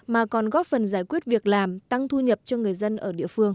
mà còn góp phần giải quyết việc làm tăng thu nhập cho người dân ở địa phương